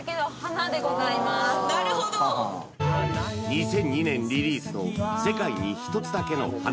２００２年リリースの「世界に一つだけの花」